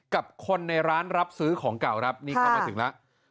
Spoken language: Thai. กับคนในร้านรับซื้อของเก่ามีการกระมาทึงละ